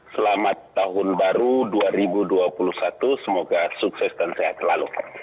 selamat tahun baru dua ribu dua puluh satu semoga sukses dan sehat selalu pak